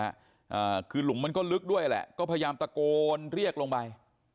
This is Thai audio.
อ่าคือหลุมมันก็ลึกด้วยแหละก็พยายามตะโกนเรียกลงไป